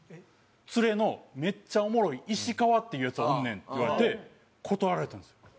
「連れのめっちゃおもろい石川っていうヤツおんねん」って言われて断られたんですよ。